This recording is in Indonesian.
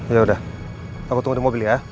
yaudah aku tunggu di mobil ya